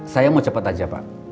saya mau cepat aja pak